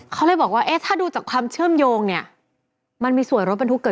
เขาเลยบอกว่าเอ๊ะถ้าดูจากความเชื่อมโยงเมี่ย